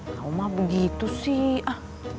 kamu mah begitu sih